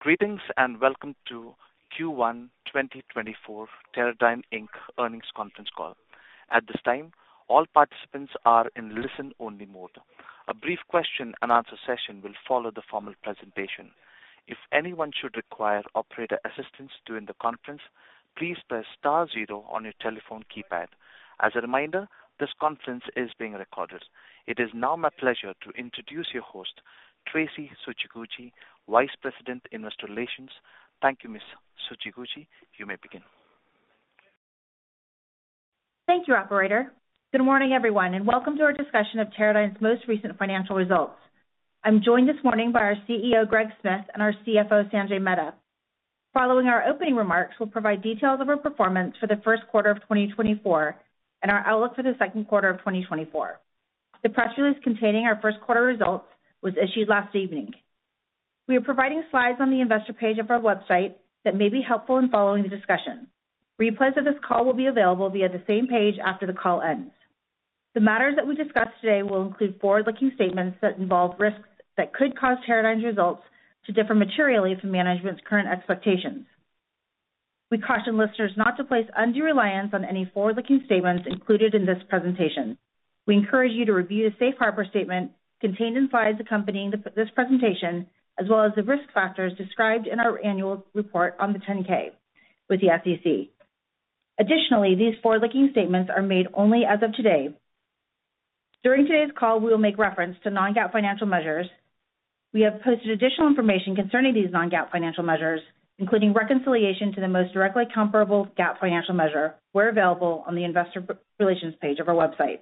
Greetings and welcome to Q1 2024 Teradyne Inc earnings conference call. At this time, all participants are in listen-only mode. A brief question-and-answer session will follow the formal presentation. If anyone should require operator assistance during the conference, please press star zero on your telephone keypad. As a reminder, this conference is being recorded. It is now my pleasure to introduce your host, Traci Tsuchiguchi, Vice President, Investor Relations. Thank you, Ms. Tsuchiguchi. You may begin. Thank you, Operator. Good morning, everyone, and welcome to our discussion of Teradyne's most recent financial results. I'm joined this morning by our CEO, Greg Smith, and our CFO, Sanjay Mehta. Following our opening remarks, we'll provide details of our performance for the Q1 of 2024 and our outlook for the Q2 of 2024. The press release containing our Q1 results was issued last evening. We are providing slides on the investor page of our website that may be helpful in following the discussion. Replays of this call will be available via the same page after the call ends. The matters that we discuss today will include forward-looking statements that involve risks that could cause Teradyne's results to differ materially from management's current expectations. We caution listeners not to place undue reliance on any forward-looking statements included in this presentation. We encourage you to review the Safe Harbor statement contained in slides accompanying this presentation, as well as the risk factors described in our annual report on the 10-K with the SEC. Additionally, these forward-looking statements are made only as of today. During today's call, we will make reference to non-GAAP financial measures. We have posted additional information concerning these non-GAAP financial measures, including reconciliation to the most directly comparable GAAP financial measure, where available on the investor relations page of our website.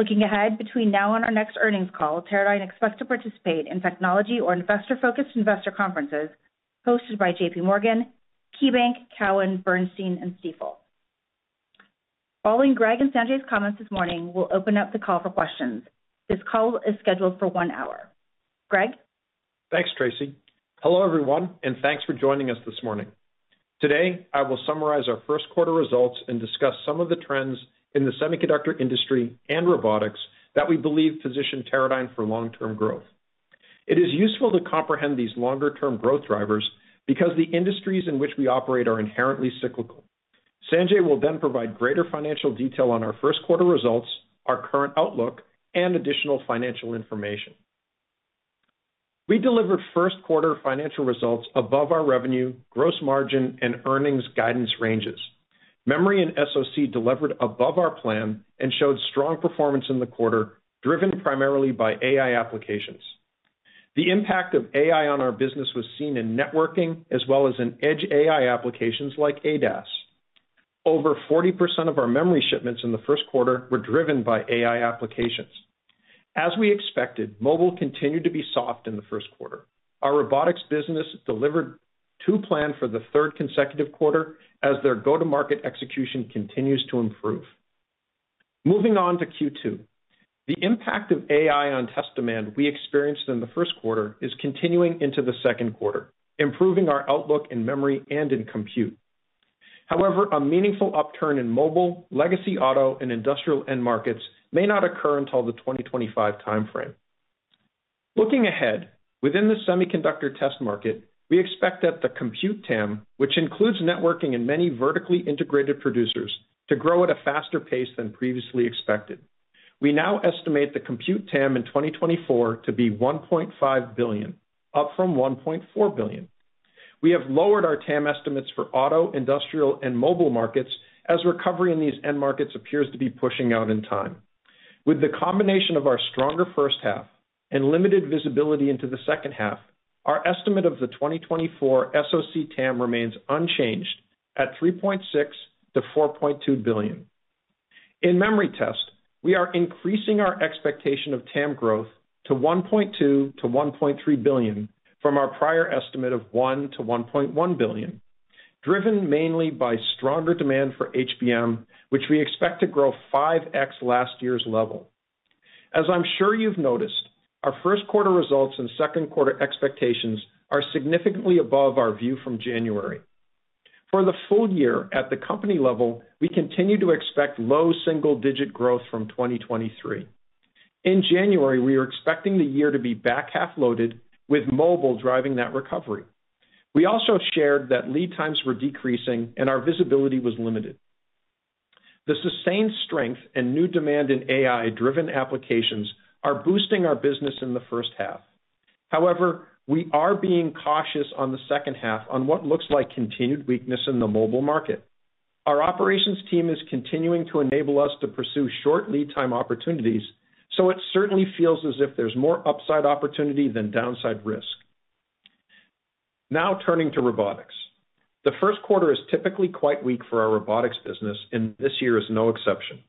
Looking ahead, between now and our next earnings call, Teradyne expects to participate in technology or investor-focused investor conferences hosted by J.P. Morgan, KeyBank, Cowen, Bernstein, and Stifel. Following Greg and Sanjay's comments this morning, we'll open up the call for questions. This call is scheduled for one hour. Greg? Thanks, Traci. Hello, everyone, and thanks for joining us this morning. Today, I will summarize our Q1 results and discuss some of the trends in the semiconductor industry and robotics that we believe position Teradyne for long-term growth. It is useful to comprehend these longer-term growth drivers because the industries in which we operate are inherently cyclical. Sanjay will then provide greater financial detail on our Q1 results, our current outlook, and additional financial information. We delivered Q1 financial results above our revenue, gross margin, and earnings guidance ranges. Memory and SOC delivered above our plan and showed strong performance in the quarter, driven primarily by AI applications. The impact of AI on our business was seen in networking as well as in edge AI applications like ADAS. Over 40% of our memory shipments in the Q1 were driven by AI applications. As we expected, mobile continued to be soft in the Q1. Our robotics business delivered to plan for the third consecutive quarter as their go-to-market execution continues to improve. Moving on to Q2, the impact of AI on test demand we experienced in the Q1 is continuing into the Q2, improving our outlook in memory and in compute. However, a meaningful upturn in mobile, legacy auto, and industrial end markets may not occur until the 2025 time frame. Looking ahead, within the semiconductor test market, we expect that the compute TAM, which includes networking and many vertically integrated producers, to grow at a faster pace than previously expected. We now estimate the compute TAM in 2024 to be $1.5 billion, up from $1.4 billion. We have lowered our TAM estimates for auto, industrial, and mobile markets as recovery in these end markets appears to be pushing out in time. With the combination of our stronger first half and limited visibility into the second half, our estimate of the 2024 SOC TAM remains unchanged at $3.6 billion-$4.2 billion. In memory test, we are increasing our expectation of TAM growth to $1.2 billion-$1.3 billion from our prior estimate of $1 billion-$1.1 billion, driven mainly by stronger demand for HBM, which we expect to grow 5X last year's level. As I'm sure you've noticed, our Q1 results and Q2 expectations are significantly above our view from January. For the full year at the company level, we continue to expect low single-digit growth from 2023. In January, we were expecting the year to be back half-loaded, with mobile driving that recovery. We also shared that lead times were decreasing and our visibility was limited. The sustained strength and new demand in AI-driven applications are boosting our business in the first half. However, we are being cautious on the second half on what looks like continued weakness in the mobile market. Our operations team is continuing to enable us to pursue short lead-time opportunities, so it certainly feels as if there's more upside opportunity than downside risk. Now turning to robotics. The Q1 is typically quite weak for our robotics business, and this year is no exception.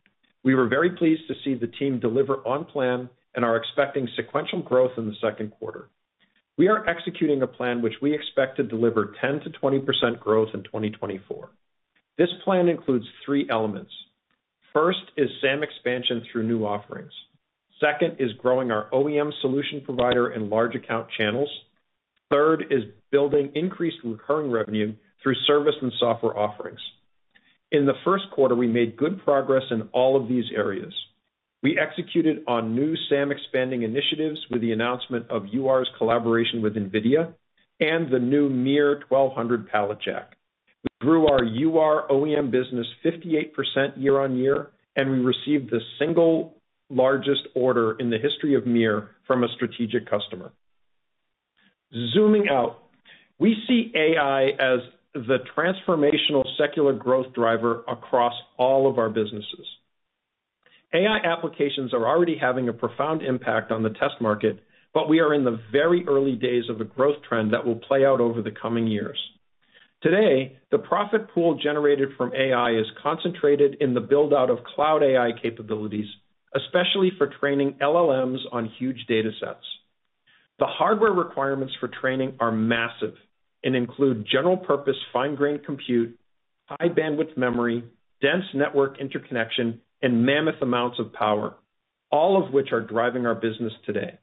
We were very pleased to see the team deliver on plan and are expecting sequential growth in the Q2. We are executing a plan which we expect to deliver 10%-20% growth in 2024. This plan includes three elements. First is SAM expansion through new offerings. Second is growing our OEM solution provider in large account channels. Third is building increased recurring revenue through service and software offerings. In the Q1, we made good progress in all of these areas. We executed on new SAM expanding initiatives with the announcement of UR's collaboration with NVIDIA and the new MiR1200 pallet jack. We grew our UR OEM business 58% year-on-year, and we received the single largest order in the history of MiR from a strategic customer. Zooming out, we see AI as the transformational secular growth driver across all of our businesses. AI applications are already having a profound impact on the test market, but we are in the very early days of a growth trend that will play out over the coming years. Today, the profit pool generated from AI is concentrated in the build-out of cloud AI capabilities, especially for training LLMs on huge datasets. The hardware requirements for training are massive and include general-purpose fine-grained compute, high-bandwidth memory, dense network interconnection, and mammoth amounts of power, all of which are driving our business today.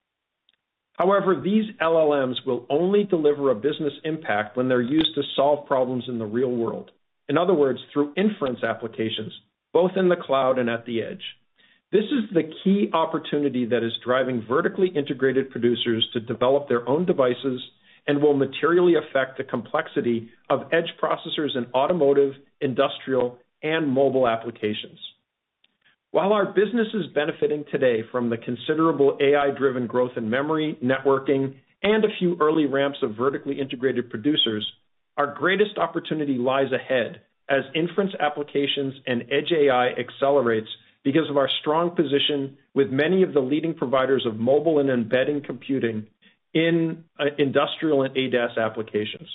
However, these LLMs will only deliver a business impact when they're used to solve problems in the real world, in other words, through inference applications, both in the cloud and at the edge. This is the key opportunity that is driving vertically integrated producers to develop their own devices and will materially affect the complexity of edge processors in automotive, industrial, and mobile applications. While our business is benefiting today from the considerable AI-driven growth in memory, networking, and a few early ramps of vertically integrated producers, our greatest opportunity lies ahead as inference applications and edge AI accelerates because of our strong position with many of the leading providers of mobile and embedded computing in industrial and ADAS applications.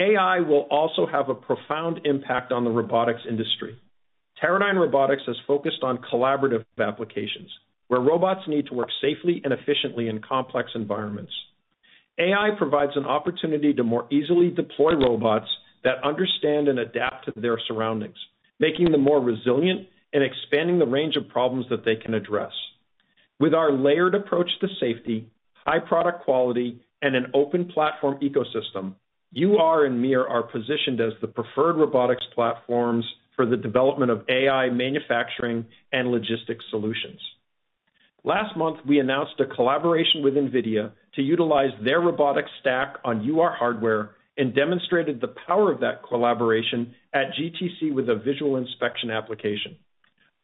AI will also have a profound impact on the robotics industry. Teradyne Robotics has focused on collaborative applications, where robots need to work safely and efficiently in complex environments. AI provides an opportunity to more easily deploy robots that understand and adapt to their surroundings, making them more resilient and expanding the range of problems that they can address. With our layered approach to safety, high product quality, and an open platform ecosystem, UR and MiR are positioned as the preferred robotics platforms for the development of AI manufacturing and logistics solutions. Last month, we announced a collaboration with NVIDIA to utilize their robotics stack on UR hardware and demonstrated the power of that collaboration at GTC with a visual inspection application.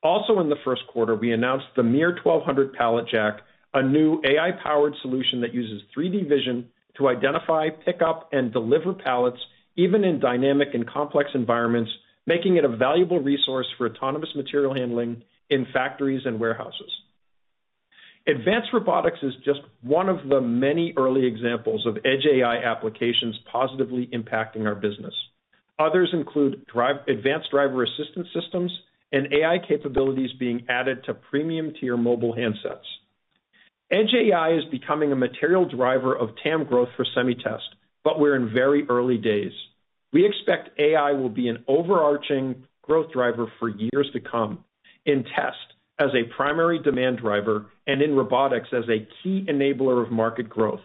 Also in the Q1, we announced the MiR1200 Pallet Jack, a new AI-powered solution that uses 3D vision to identify, pick up, and deliver pallets even in dynamic and complex environments, making it a valuable resource for autonomous material handling in factories and warehouses. Advanced robotics is just one of the many early examples of edge AI applications positively impacting our business. Others include advanced driver assistance systems and AI capabilities being added to premium-tier mobile handsets. Edge AI is becoming a material driver of TAM growth for SemiTest, but we're in very early days. We expect AI will be an overarching growth driver for years to come in test as a primary demand driver and in robotics as a key enabler of market growth.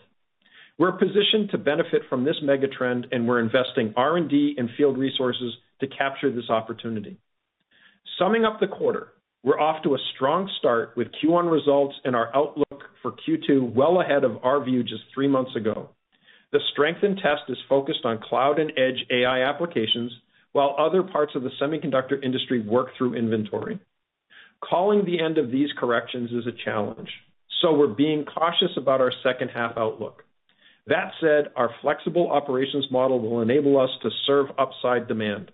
We're positioned to benefit from this megatrend, and we're investing R&D and field resources to capture this opportunity. Summing up the quarter, we're off to a strong start with Q1 results and our outlook for Q2 well ahead of our view just three months ago. The strength in test is focused on cloud and edge AI applications, while other parts of the semiconductor industry work through inventory. Calling the end of these corrections is a challenge, so we're being cautious about our second half outlook. That said, our flexible operations model will enable us to serve upside demand.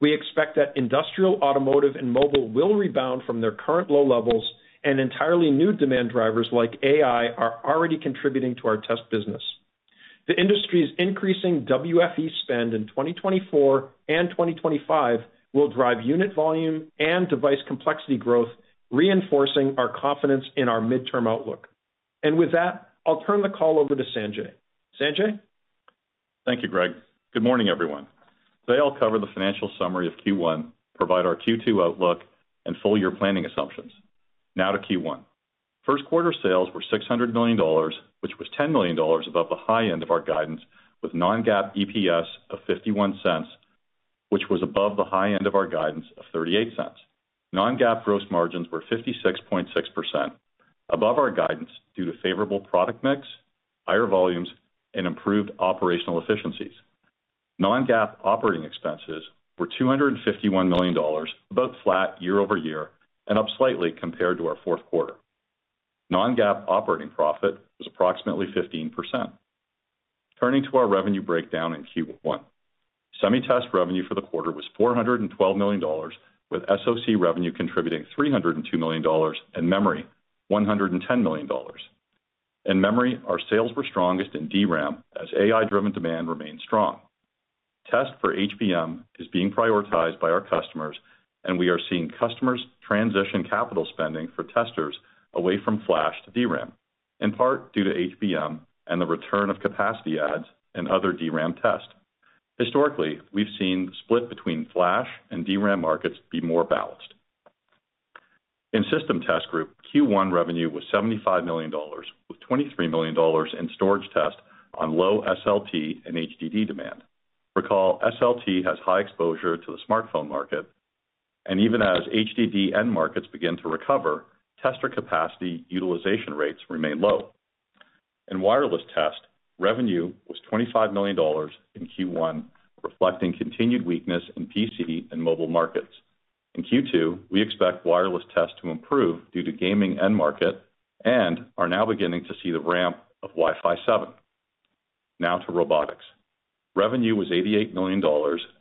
We expect that industrial, automotive, and mobile will rebound from their current low levels, and entirely new demand drivers like AI are already contributing to our test business. The industry's increasing WFE spend in 2024 and 2025 will drive unit volume and device complexity growth, reinforcing our confidence in our midterm outlook. With that, I'll turn the call over to Sanjay. Sanjay? Thank you, Greg. Good morning, everyone. Today, I'll cover the financial summary of Q1, provide our Q2 outlook, and full year planning assumptions. Now to Q1. Q1 sales were $600 million, which was $10 million above the high end of our guidance, with non-GAAP EPS of $0.51, which was above the high end of our guidance of $0.38. Non-GAAP gross margins were 56.6% above our guidance due to favorable product mix, higher volumes, and improved operational efficiencies. Non-GAAP operating expenses were $251 million, about flat year-over-year and up slightly compared to our Q4. Non-GAAP operating profit was approximately 15%. Turning to our revenue breakdown in Q1. SemiTest revenue for the quarter was $412 million, with SOC revenue contributing $302 million and memory $110 million. In memory, our sales were strongest in DRAM as AI-driven demand remained strong. Test for HBM is being prioritized by our customers, and we are seeing customers transition capital spending for testers away from Flash to DRAM, in part due to HBM and the return of capacity adds and other DRAM tests. Historically, we've seen the split between Flash and DRAM markets be more balanced. In system test group, Q1 revenue was $75 million, with $23 million in storage test on low SLT and HDD demand. Recall, SLT has high exposure to the smartphone market, and even as HDD end markets begin to recover, tester capacity utilization rates remain low. In wireless test, revenue was $25 million in Q1, reflecting continued weakness in PC and mobile markets. In Q2, we expect wireless test to improve due to gaming end market and are now beginning to see the ramp of Wi-Fi 7. Now to robotics. Revenue was $88 million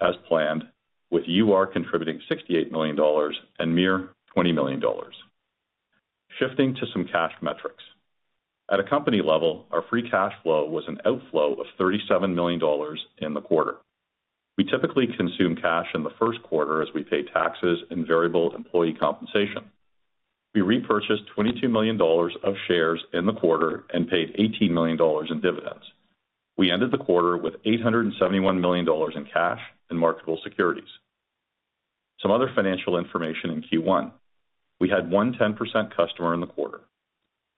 as planned, with UR contributing $68 million and MiR $20 million. Shifting to some cash metrics. At a company level, our free cash flow was an outflow of $37 million in the quarter. We typically consume cash in the Q1 as we pay taxes and variable employee compensation. We repurchased $22 million of shares in the quarter and paid $18 million in dividends. We ended the quarter with $871 million in cash and marketable securities. Some other financial information in Q1. We had one 10% customer in the quarter.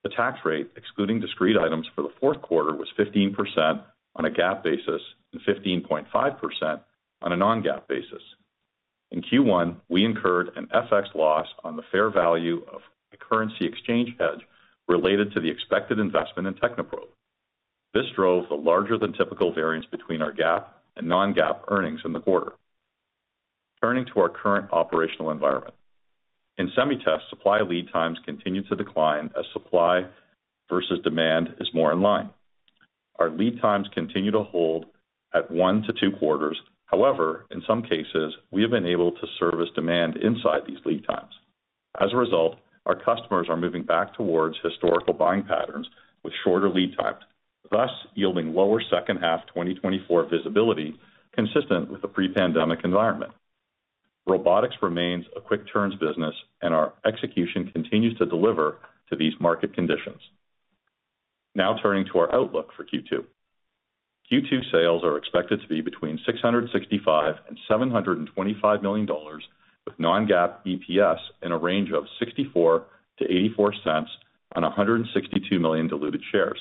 The tax rate, excluding discrete items for the Q4, was 15% on a GAAP basis and 15.5% on a non-GAAP basis. In Q1, we incurred an FX loss on the fair value of a currency exchange hedge related to the expected investment in Technoprobe. This drove the larger-than-typical variance between our GAAP and non-GAAP earnings in the quarter. Turning to our current operational environment. In SemiTest, supply lead times continue to decline as supply versus demand is more in line. Our lead times continue to hold at one to two quarters. However, in some cases, we have been able to service demand inside these lead times. As a result, our customers are moving back towards historical buying patterns with shorter lead times, thus yielding lower second half 2024 visibility consistent with the pre-pandemic environment. Robotics remains a quick-turns business, and our execution continues to deliver to these market conditions. Now turning to our outlook for Q2. Q2 sales are expected to be between $665 million-$725 million, with non-GAAP EPS in a range of $0.64-$0.84 on 162 million diluted shares.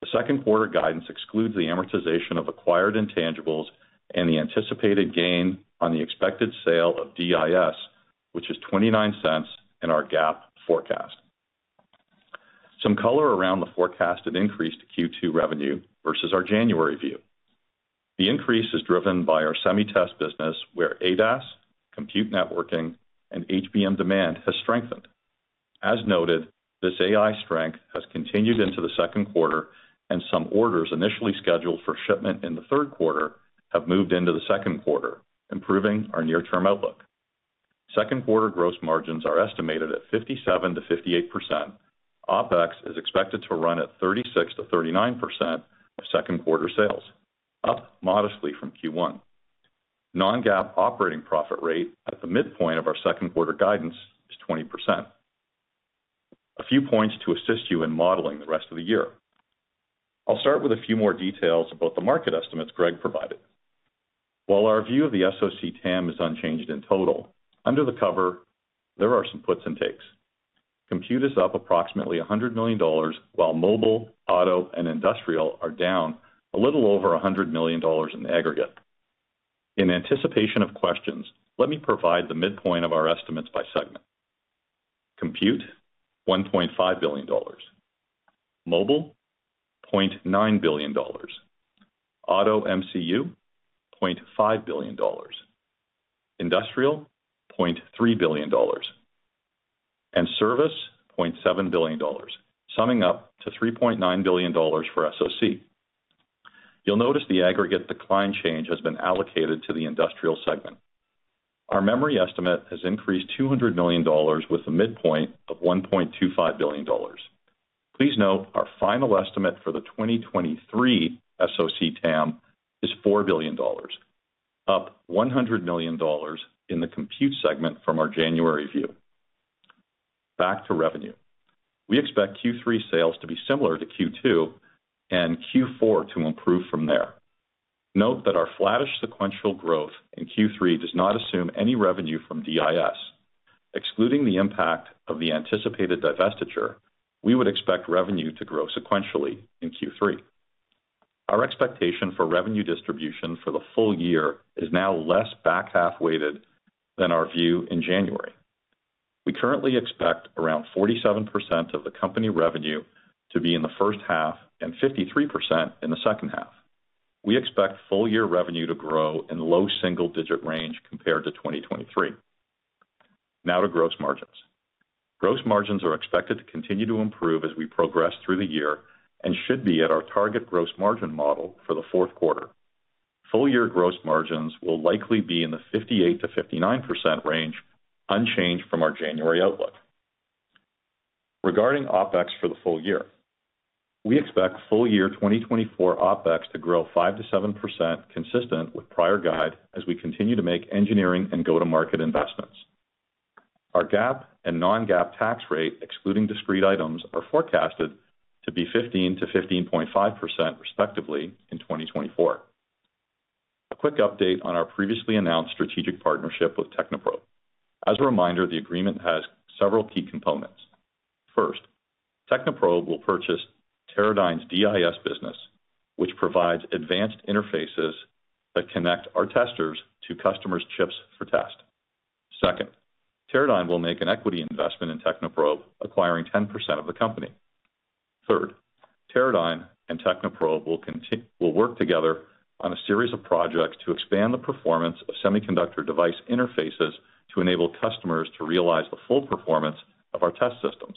The Q2 guidance excludes the amortization of acquired intangibles and the anticipated gain on the expected sale of DIS, which is $0.29 in our GAAP forecast. Some color around the forecasted increase to Q2 revenue versus our January view. The increase is driven by our SemiTest business, where ADAS, compute networking, and HBM demand has strengthened. As noted, this AI strength has continued into the Q2, and some orders initially scheduled for shipment in the Q3 have moved into the Q2, improving our near-term outlook. Q2 gross margins are estimated at 57%-58%. OpEx is expected to run at 36%-39% of Q2 sales, up modestly from Q1. Non-GAAP operating profit rate at the midpoint of our Q2 guidance is 20%. A few points to assist you in modeling the rest of the year. I'll start with a few more details about the market estimates Greg provided. While our view of the SOC TAM is unchanged in total, under the cover, there are some puts and takes. Compute is up approximately $100 million, while mobile, auto, and industrial are down a little over $100 million in the aggregate. In anticipation of questions, let me provide the midpoint of our estimates by segment. Compute: $1.5 billion. Mobile: $0.9 billion. Auto MCU: $0.5 billion. Industrial: $0.3 billion. Service: $0.7 billion, summing up to $3.9 billion for SOC. You'll notice the aggregate decline change has been allocated to the industrial segment. Our memory estimate has increased $200 million with a midpoint of $1.25 billion. Please note, our final estimate for the 2023 SOC TAM is $4 billion, up $100 million in the compute segment from our January view. Back to revenue. We expect Q3 sales to be similar to Q2 and Q4 to improve from there. Note that our flattish sequential growth in Q3 does not assume any revenue from DIS. Excluding the impact of the anticipated divestiture, we would expect revenue to grow sequentially in Q3. Our expectation for revenue distribution for the full year is now less back-half-weighted than our view in January. We currently expect around 47% of the company revenue to be in the first half and 53% in the second half. We expect full-year revenue to grow in low single-digit range compared to 2023. Now to gross margins. Gross margins are expected to continue to improve as we progress through the year and should be at our target gross margin model for the Q4. Full-year gross margins will likely be in the 58%-59% range, unchanged from our January outlook. Regarding OpEx for the full year. We expect full-year 2024 OpEx to grow 5%-7% consistent with prior guide as we continue to make engineering and go-to-market investments. Our GAAP and non-GAAP tax rate, excluding discrete items, are forecasted to be 15%-15.5% respectively in 2024. A quick update on our previously announced strategic partnership with Technoprobe. As a reminder, the agreement has several key components. First, Technoprobe will purchase Teradyne's DIS business, which provides advanced interfaces that connect our testers to customers' chips for test. Second, Teradyne will make an equity investment in Technoprobe, acquiring 10% of the company. Third, Teradyne and Technoprobe will work together on a series of projects to expand the performance of semiconductor device interfaces to enable customers to realize the full performance of our test systems.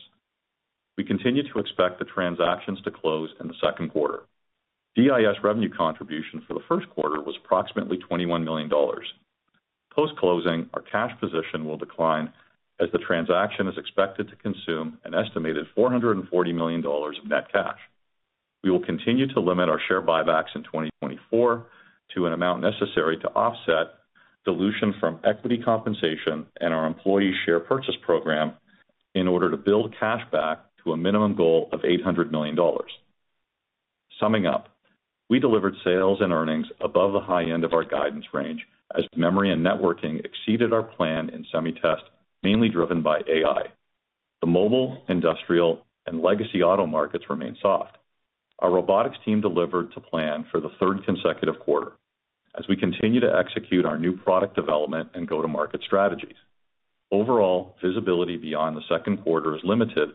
We continue to expect the transactions to close in the Q2. DIS revenue contribution for the Q1 was approximately $21 million. Post-closing, our cash position will decline as the transaction is expected to consume an estimated $440 million of net cash. We will continue to limit our share buybacks in 2024 to an amount necessary to offset dilution from equity compensation and our employee share purchase program in order to build cash back to a minimum goal of $800 million. Summing up, we delivered sales and earnings above the high end of our guidance range as memory and networking exceeded our plan in SemiTest, mainly driven by AI. The mobile, industrial, and legacy auto markets remain soft. Our robotics team delivered to plan for the third consecutive quarter as we continue to execute our new product development and go-to-market strategies. Overall, visibility beyond the Q2 is limited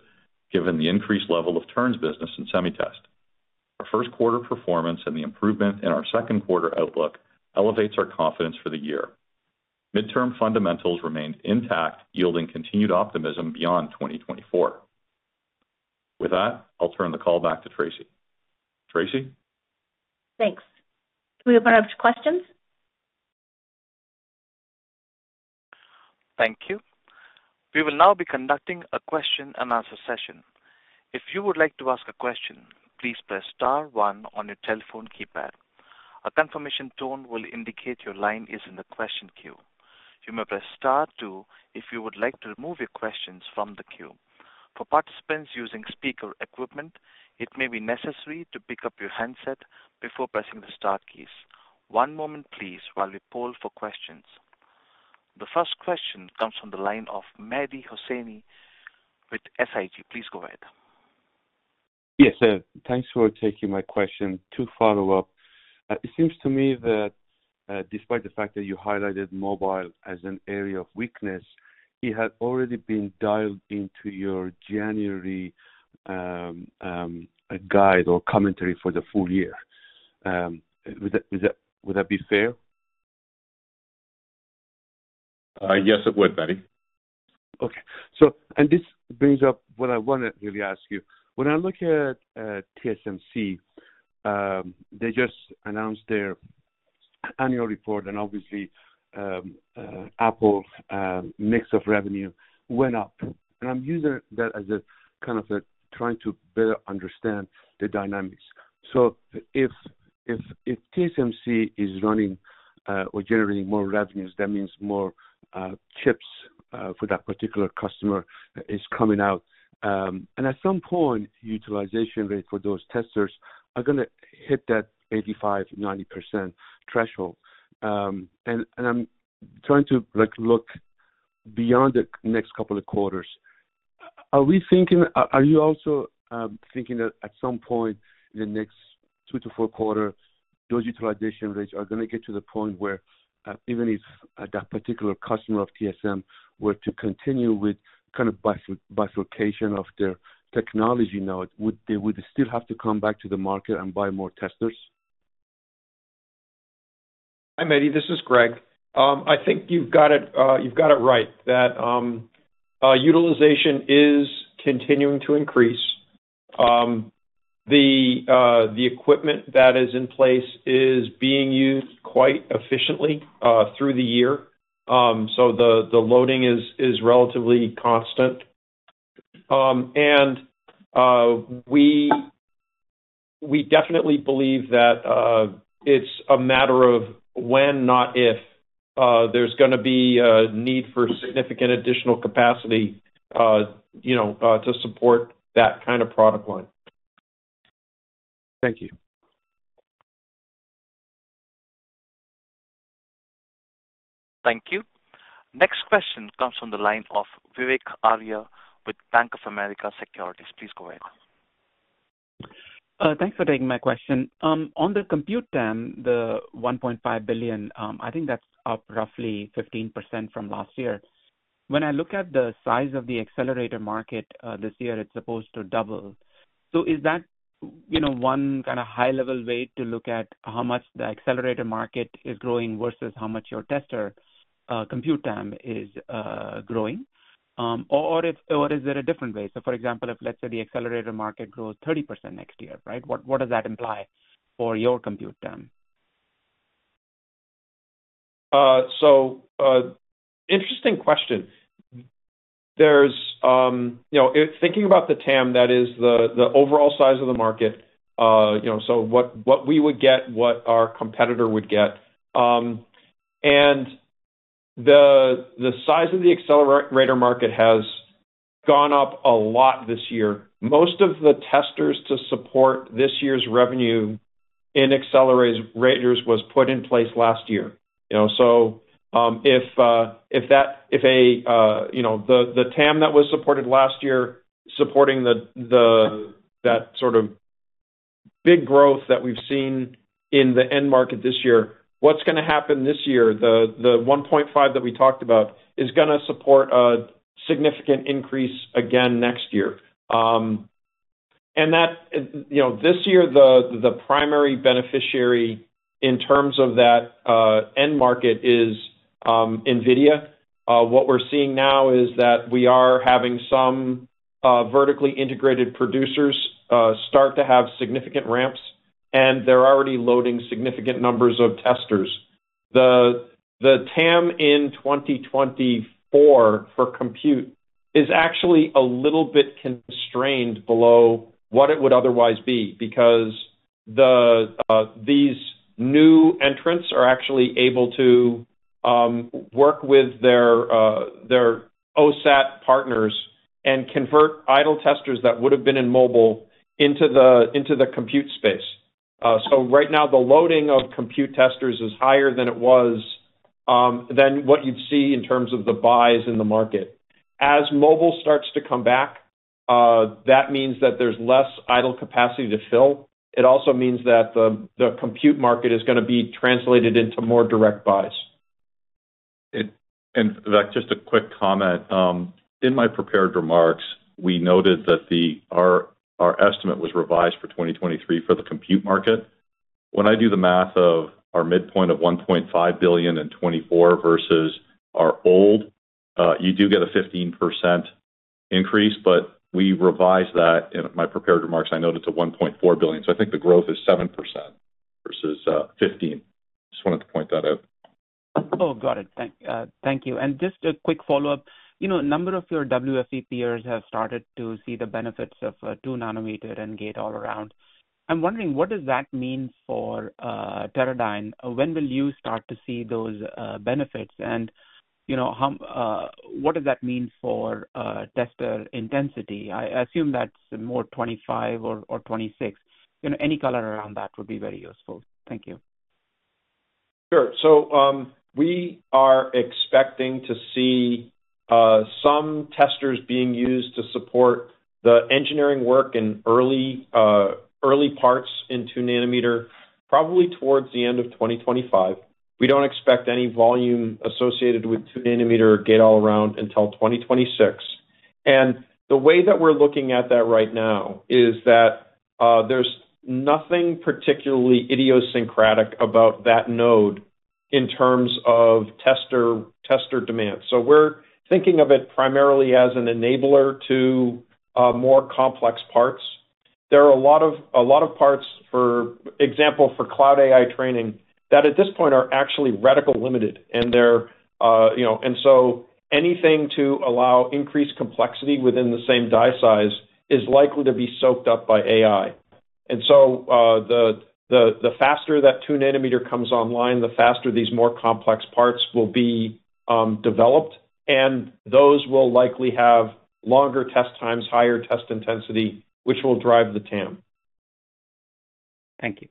given the increased level of turns business in SemiTest. Our Q1 performance and the improvement in our Q2 outlook elevates our confidence for the year. Midterm fundamentals remained intact, yielding continued optimism beyond 2024. With that, I'll turn the call back to Traci. Traci? Thanks. Can we open up to questions? Thank you. We will now be conducting a question-and-answer session. If you would like to ask a question, please press star one on your telephone keypad. A confirmation tone will indicate your line is in the question queue. You may press star two if you would like to remove your questions from the queue. For participants using speaker equipment, it may be necessary to pick up your handset before pressing the star keys. One moment, please, while we poll for questions. The first question comes from the line of Mehdi Hosseini with SIG. Please go ahead. Yes. Thanks for taking my question to follow up. It seems to me that despite the fact that you highlighted mobile as an area of weakness, it had already been dialed into your January guide or commentary for the full year. Would that be fair? Yes, it would, Mehdi. Okay. And this brings up what I want to really ask you. When I look at TSMC, they just announced their annual report, and obviously, Apple's mix of revenue went up. And I'm using that as a kind of a trying to better understand the dynamics. So if TSMC is running or generating more revenues, that means more chips for that particular customer is coming out. And at some point, utilization rate for those testers are going to hit that 85%-90% threshold. And I'm trying to look beyond the next couple of quarters. Are you also thinking that at some point in the next two to four quarters, those utilization rates are going to get to the point where even if that particular customer of TSM were to continue with kind of bifurcation of their technology node, would they still have to come back to the market and buy more testers? Hi, Mehdi. This is Greg. I think you've got it right that utilization is continuing to increase. The equipment that is in place is being used quite efficiently through the year. So the loading is relatively constant. And we definitely believe that it's a matter of when, not if, there's going to be a need for significant additional capacity to support that kind of product line. Thank you. Thank you. Next question comes from the line of Vivek Arya with Bank of America Securities. Please go ahead. Thanks for taking my question. On the compute TAM, the $1.5 billion, I think that's up roughly 15% from last year. When I look at the size of the accelerator market this year, it's supposed to double. So is that one kind of high-level way to look at how much the accelerator market is growing versus how much your tester compute TAM is growing? Or is there a different way? So for example, if let's say the accelerator market grows 30% next year, right? What does that imply for your compute TAM? So, interesting question. Thinking about the TAM, that is the overall size of the market. So what we would get, what our competitor would get. And the size of the accelerator market has gone up a lot this year. Most of the testers to support this year's revenue in accelerators was put in place last year. So if the TAM that was supported last year supporting that sort of big growth that we've seen in the end market this year, what's going to happen this year? The 1.5 that we talked about is going to support a significant increase again next year. And this year, the primary beneficiary in terms of that end market is NVIDIA. What we're seeing now is that we are having some vertically integrated producers start to have significant ramps, and they're already loading significant numbers of testers. The TAM in 2024 for compute is actually a little bit constrained below what it would otherwise be because these new entrants are actually able to work with their OSAT partners and convert idle testers that would have been in mobile into the compute space. So right now, the loading of compute testers is higher than it was than what you'd see in terms of the buys in the market. As mobile starts to come back, that means that there's less idle capacity to fill. It also means that the compute market is going to be translated into more direct buys. Vivek, just a quick comment. In my prepared remarks, we noted that our estimate was revised for 2023 for the compute market. When I do the math of our midpoint of $1.5 billion in 2024 versus our old, you do get a 15% increase, but we revised that in my prepared remarks. I noted to $1.4 billion. So I think the growth is 7% versus 15%. Just wanted to point that out. Oh, got it. Thank you. And just a quick follow-up. A number of your WFE peers have started to see the benefits of 2-nanometer and Gate-All-Around. I'm wondering, what does that mean for Teradyne? When will you start to see those benefits? And what does that mean for tester intensity? I assume that's more 25 or 26. Any color around that would be very useful. Thank you. Sure. So we are expecting to see some testers being used to support the engineering work in early parts in 2 nanometer, probably towards the end of 2025. We don't expect any volume associated with 2 nanometer or gate-all-around until 2026. And the way that we're looking at that right now is that there's nothing particularly idiosyncratic about that node in terms of tester demand. So we're thinking of it primarily as an enabler to more complex parts. There are a lot of parts, for example, for cloud AI training that at this point are actually reticle-limited. And so anything to allow increased complexity within the same die size is likely to be soaked up by AI. And so the faster that 2 nanometer comes online, the faster these more complex parts will be developed. Those will likely have longer test times, higher test intensity, which will drive the TAM. Thank you.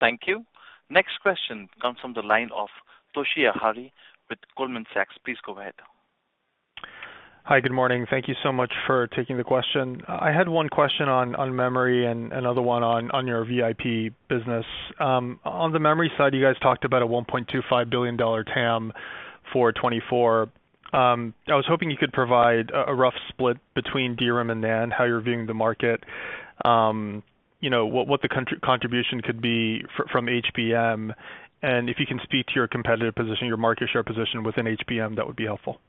Thank you. Next question comes from the line of Toshiya Hari with Goldman Sachs. Please go ahead. Hi. Good morning. Thank you so much for taking the question. I had one question on memory and another one on your VIP business. On the memory side, you guys talked about a $1.25 billion TAM for 2024. I was hoping you could provide a rough split between DRAM and NAND, how you're viewing the market, what the contribution could be from HBM. And if you can speak to your competitive position, your market share position within HBM, that would be helpful.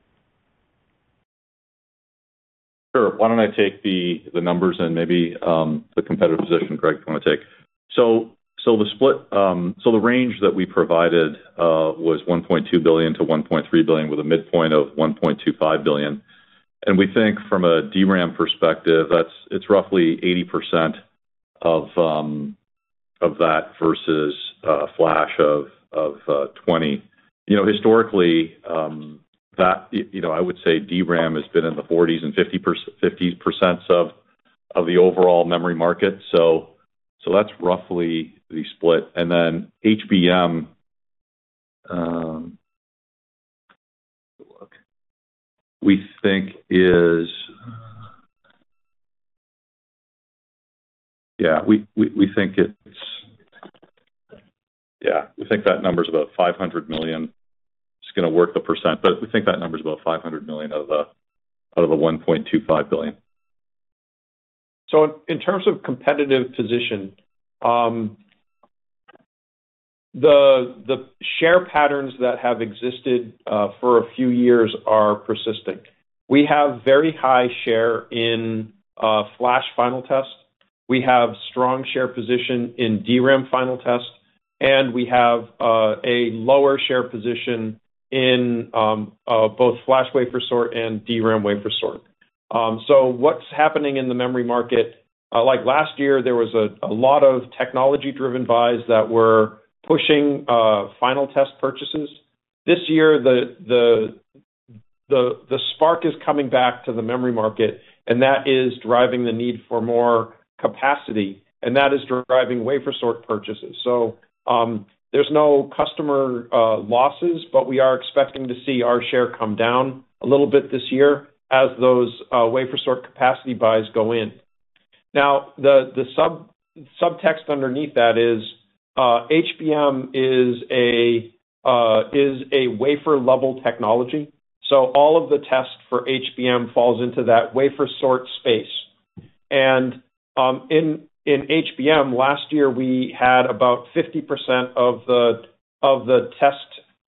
Sure. Why don't I take the numbers and maybe the competitive position, Greg, do you want to take? So the split so the range that we provided was $1.2 billion-$1.3 billion with a midpoint of $1.25 billion. And we think from a DRAM perspective, it's roughly 80% of that versus Flash of 20%. Historically, I would say DRAM has been in the 40s and 50s% of the overall memory market. So that's roughly the split. And then HBM, we think that number is about $500 million. It's going to work the percent, but we think that number is about $500 million out of the $1.25 billion. So in terms of competitive position, the share patterns that have existed for a few years are persistent. We have very high share in Flash final test. We have strong share position in DRAM final test. And we have a lower share position in both Flash Wafer Sort and DRAM Wafer Sort. So what's happening in the memory market last year, there was a lot of technology-driven buys that were pushing final test purchases. This year, the spark is coming back to the memory market, and that is driving the need for more capacity. And that is driving wafer sort purchases. So there's no customer losses, but we are expecting to see our share come down a little bit this year as those wafer sort capacity buys go in. Now, the subtext underneath that is HBM is a wafer-level technology. So all of the test for HBM falls into that wafer sort space. And in HBM, last year, we had about 50% of the test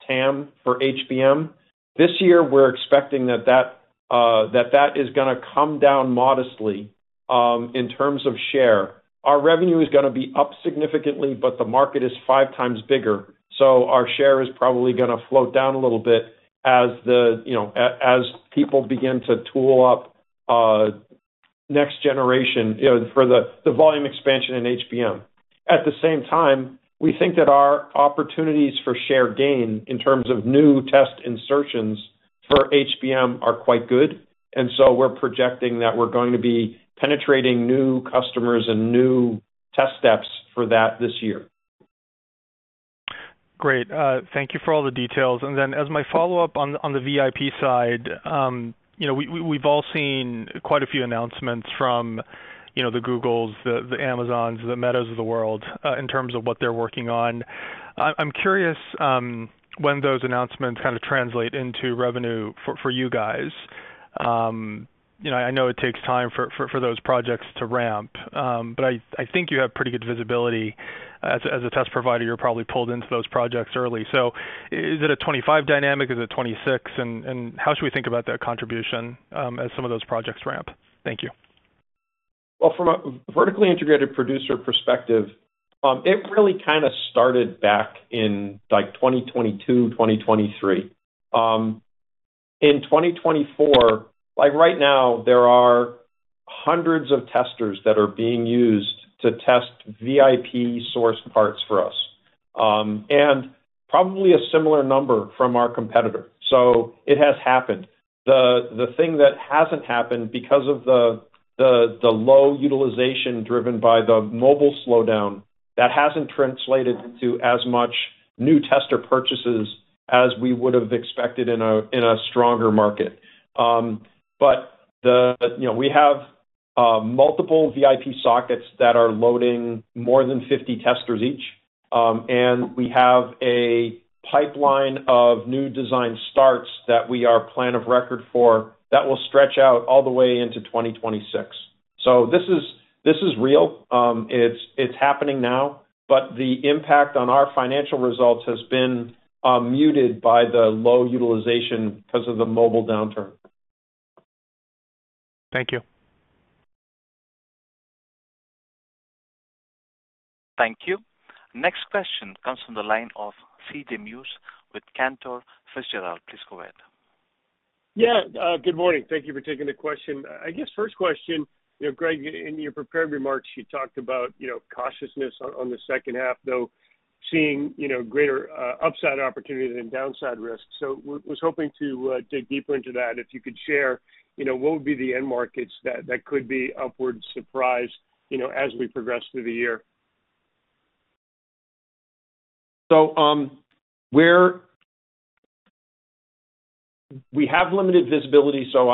TAM for HBM. This year, we're expecting that that is going to come down modestly in terms of share. Our revenue is going to be up significantly, but the market is 5 times bigger. So our share is probably going to float down a little bit as people begin to tool up next generation for the volume expansion in HBM. At the same time, we think that our opportunities for share gain in terms of new test insertions for HBM are quite good. And so we're projecting that we're going to be penetrating new customers and new test steps for that this year. Great. Thank you for all the details. Then as my follow-up on the VIP side, we've all seen quite a few announcements from the Googles, the Amazons, the Metas of the world in terms of what they're working on. I'm curious when those announcements kind of translate into revenue for you guys. I know it takes time for those projects to ramp, but I think you have pretty good visibility. As a test provider, you're probably pulled into those projects early. So is it a 2025 dynamic? Is it 2026? And how should we think about that contribution as some of those projects ramp? Thank you. Well, from a vertically integrated producer perspective, it really kind of started back in 2022, 2023. In 2024, right now, there are hundreds of testers that are being used to test VIP SOC parts for us and probably a similar number from our competitor. So it has happened. The thing that hasn't happened because of the low utilization driven by the mobile slowdown, that hasn't translated into as much new tester purchases as we would have expected in a stronger market. But we have multiple VIP sockets that are loading more than 50 testers each. And we have a pipeline of new design starts that we are plan of record for that will stretch out all the way into 2026. So this is real. It's happening now. But the impact on our financial results has been muted by the low utilization because of the mobile downturn. Thank you. Thank you. Next question comes from the line of C.J. Muse with Cantor Fitzgerald. Please go ahead. Yeah. Good morning. Thank you for taking the question. I guess first question, Greg, in your prepared remarks, you talked about cautiousness on the second half, though seeing greater upside opportunity than downside risk. So I was hoping to dig deeper into that. If you could share, what would be the end markets that could be upward surprise as we progress through the year? So we have limited visibility. So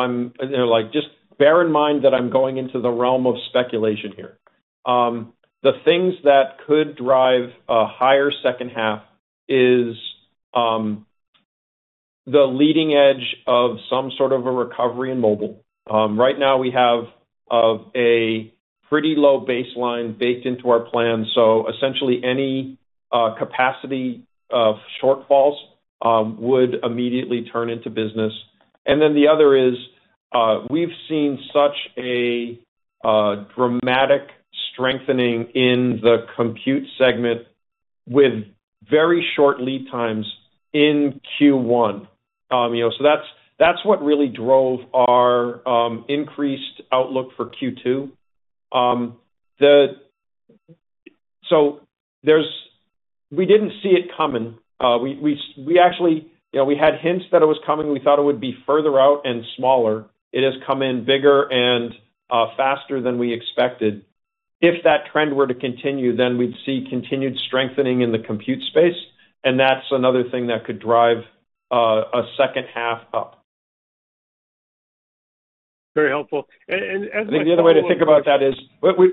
just bear in mind that I'm going into the realm of speculation here. The things that could drive a higher second half is the leading edge of some sort of a recovery in mobile. Right now, we have a pretty low baseline baked into our plan. So essentially, any capacity shortfalls would immediately turn into business. And then the other is we've seen such a dramatic strengthening in the compute segment with very short lead times in Q1. So that's what really drove our increased outlook for Q2. So we didn't see it coming. We actually had hints that it was coming. We thought it would be further out and smaller. It has come in bigger and faster than we expected. If that trend were to continue, then we'd see continued strengthening in the compute space. That's another thing that could drive a second half up. Very helpful. I think the other way to think about that is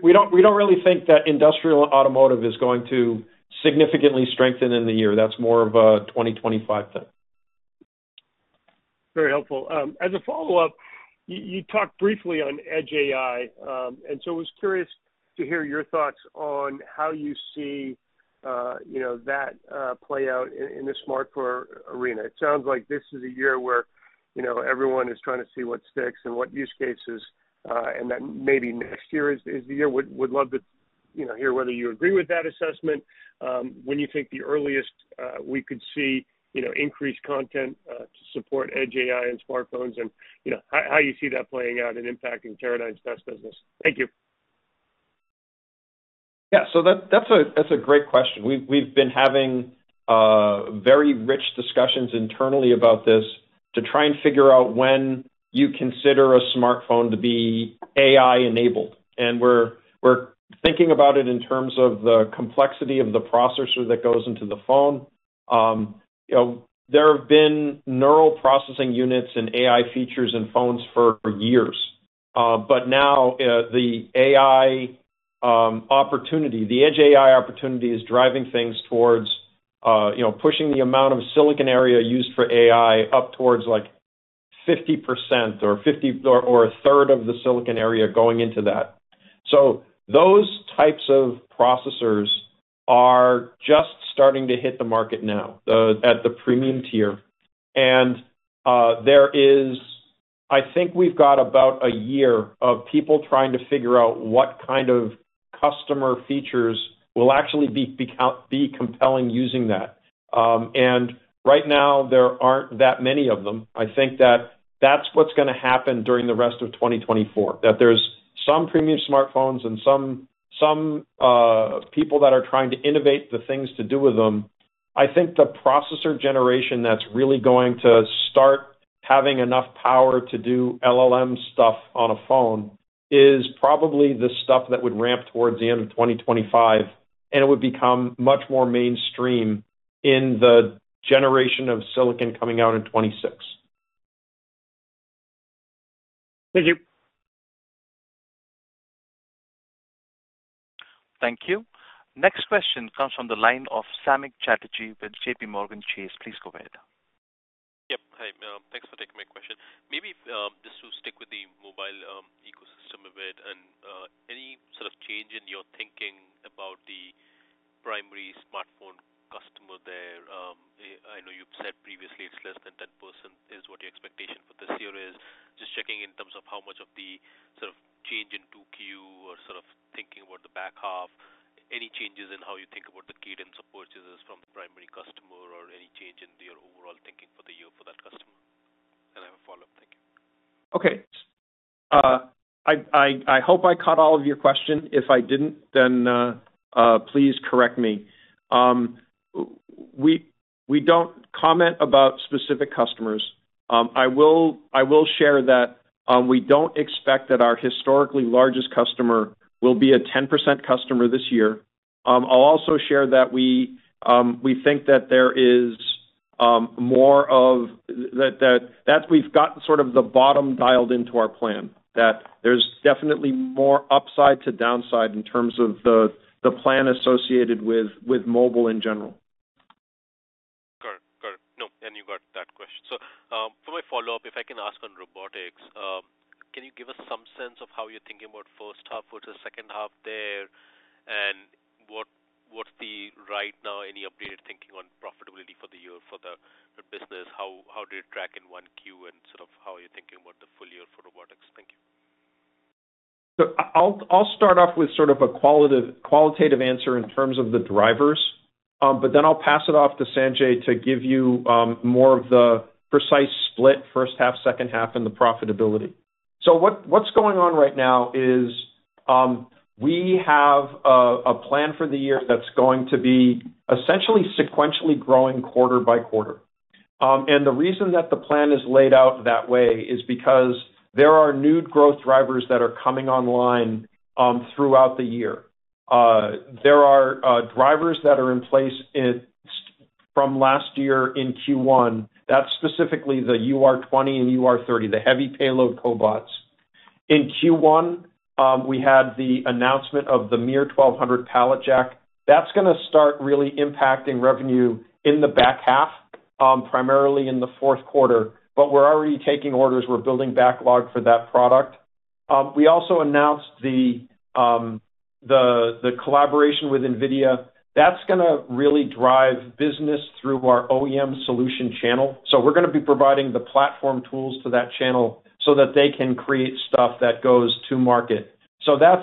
we don't really think that industrial automotive is going to significantly strengthen in the year. That's more of a 2025 thing. Very helpful. As a follow-up, you talked briefly on Edge AI. So I was curious to hear your thoughts on how you see that play out in the smartphone arena. It sounds like this is a year where everyone is trying to see what sticks and what use cases. Then maybe next year is the year. Would love to hear whether you agree with that assessment, when you think the earliest we could see increased content to support Edge AI and smartphones, and how you see that playing out and impacting Teradyne's test business? Thank you. Yeah. So that's a great question. We've been having very rich discussions internally about this to try and figure out when you consider a smartphone to be AI-enabled. And we're thinking about it in terms of the complexity of the processor that goes into the phone. There have been neural processing units and AI features in phones for years. But now, the Edge AI opportunity is driving things towards pushing the amount of silicon area used for AI up towards 50% or a third of the silicon area going into that. So those types of processors are just starting to hit the market now at the premium tier. And I think we've got about a year of people trying to figure out what kind of customer features will actually be compelling using that. And right now, there aren't that many of them. I think that that's what's going to happen during the rest of 2024, that there's some premium smartphones and some people that are trying to innovate the things to do with them. I think the processor generation that's really going to start having enough power to do LLM stuff on a phone is probably the stuff that would ramp towards the end of 2025. And it would become much more mainstream in the generation of silicon coming out in 2026. Thank you. Thank you. Next question comes from the line of Samik Chatterjee with JPMorgan Chase. Please go ahead. Yep. Hi, thanks for taking my question. Maybe just to stick with the mobile ecosystem a bit and any sort of change in your thinking about the primary smartphone customer there. I know you've said previously it's less than 10% is what your expectation for this year is. Just checking in terms of how much of the sort of change in 2Q or sort of thinking about the back half, any changes in how you think about the cadence of purchases from the primary customer or any change in your overall thinking for the year for that customer? And I have a follow-up. Thank you. Okay. I hope I caught all of your question. If I didn't, then please correct me. We don't comment about specific customers. I will share that we don't expect that our historically largest customer will be a 10% customer this year. I'll also share that we think that there is more of that we've got sort of the bottom dialed into our plan, that there's definitely more upside to downside in terms of the plan associated with mobile in general. Got it. Got it. No, and you got that question. So for my follow-up, if I can ask on robotics, can you give us some sense of how you're thinking about first half versus second half there? And what's the right now, any updated thinking on profitability for the year for the business? How do you track in 1Q and sort of how are you thinking about the full year for robotics? Thank you. So I'll start off with sort of a qualitative answer in terms of the drivers. But then I'll pass it off to Sanjay to give you more of the precise split first half, second half, and the profitability. So what's going on right now is we have a plan for the year that's going to be essentially sequentially growing quarter by quarter. And the reason that the plan is laid out that way is because there are new growth drivers that are coming online throughout the year. There are drivers that are in place from last year in Q1. That's specifically the UR20 and UR30, the heavy payload cobots. In Q1, we had the announcement of the MiR1200 pallet jack. That's going to start really impacting revenue in the back half, primarily in the Q4. But we're already taking orders. We're building backlog for that product. We also announced the collaboration with NVIDIA. That's going to really drive business through our OEM solution channel. So we're going to be providing the platform tools to that channel so that they can create stuff that goes to market. So that's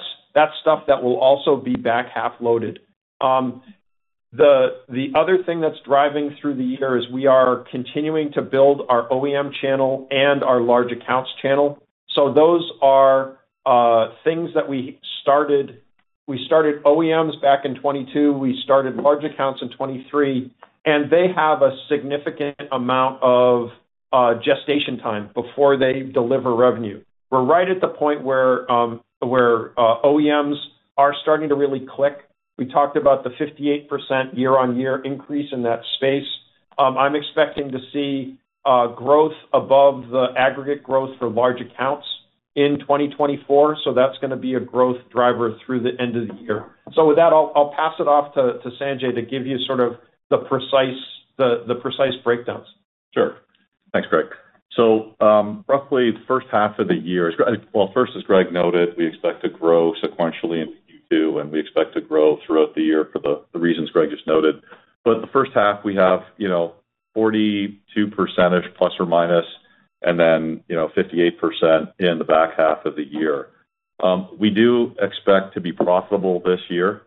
stuff that will also be back half loaded. The other thing that's driving through the year is we are continuing to build our OEM channel and our large accounts channel. So those are things that we started. We started OEMs back in 2022. We started large accounts in 2023. And they have a significant amount of gestation time before they deliver revenue. We're right at the point where OEMs are starting to really click. We talked about the 58% year-on-year increase in that space. I'm expecting to see growth above the aggregate growth for large accounts in 2024. So that's going to be a growth driver through the end of the year. So with that, I'll pass it off to Sanjay to give you sort of the precise breakdowns. Sure. Thanks, Greg. So roughly, the first half of the year is, well, first, as Greg noted, we expect to grow sequentially into Q2. We expect to grow throughout the year for the reasons Greg just noted. But the first half, we have 42% plus or minus and then 58% in the back half of the year. We do expect to be profitable this year,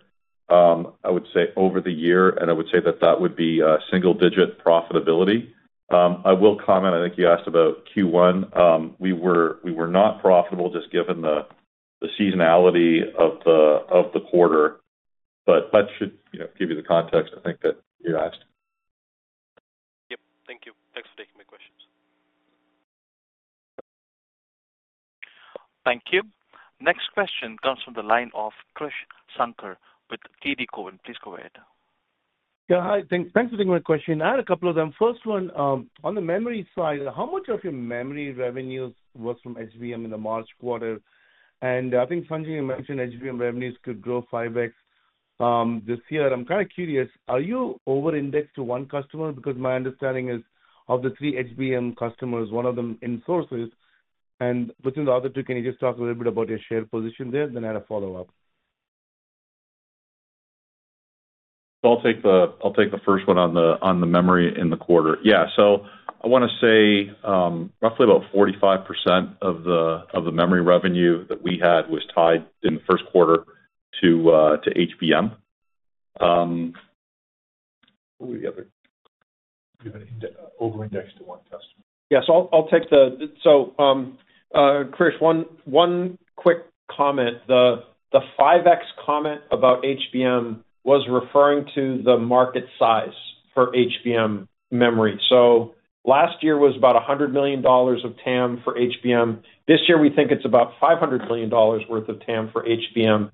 I would say, over the year. And I would say that that would be single-digit profitability. I will comment. I think you asked about Q1. We were not profitable just given the seasonality of the quarter. But that should give you the context, I think, that you asked. Yep. Thank you. Thanks for taking my questions. Thank you. Next question comes from the line of Krish Sankar with TD Cowen. Please go ahead. Yeah. Hi. Thanks for taking my question. I had a couple of them. First one, on the memory side, how much of your memory revenues was from HBM in the March quarter? And I think, Sanjay, you mentioned HBM revenues could grow 5x this year. And I'm kind of curious, are you over-indexed to one customer? Because my understanding is, of the three HBM customers, one of them in-sources. And within the other two, can you just talk a little bit about your share position there? Then I have a follow-up. I'll take the first one on the memory in the quarter. Yeah. I want to say roughly about 45% of the memory revenue that we had was tied in the Q1 to HBM. What were the other? Do you have any over-indexed to one customer? Yeah. So I'll take that, so Krish, one quick comment. The 5x comment about HBM was referring to the market size for HBM memory. So last year was about $100 million of TAM for HBM. This year, we think it's about $500 million worth of TAM for HBM.